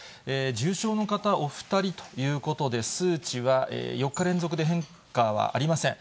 重症の方、お２人ということで、数値は４日連続で変化はありません。